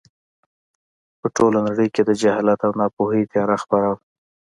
په ټوله نړۍ کې د جهالت او ناپوهۍ تیاره خپره وه.